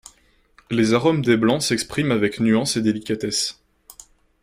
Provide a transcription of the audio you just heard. Les arômes des blancs s'expriment avec nuance et délicatesse.